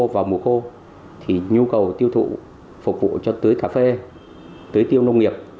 vào mùa khô thì nhu cầu tiêu thụ phục vụ cho tưới cà phê tưới tiêu nông nghiệp